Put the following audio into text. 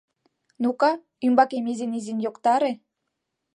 — Ну-ка, ӱмбакем изин-изин, йоктаре.